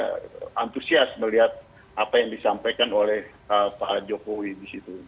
jadi saya juga antusias melihat apa yang disampaikan oleh pak jokowi disitu